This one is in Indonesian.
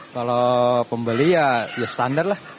kalau pembeli ya standar lah